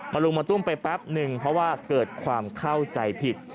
ลุงมาตุ้มไปแป๊บนึงเพราะว่าเกิดความเข้าใจผิด